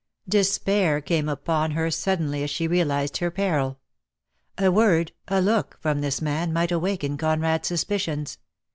Despair came upon her suddenly as she realised her peril. A word, a look, from this man might awaken Conrad's suspicions.